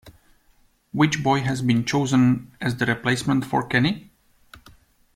Which boy has been chosen as the replacement for Kenny?